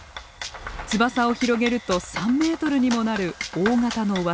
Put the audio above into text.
翼を広げると３メートルにもなる大型のワシ。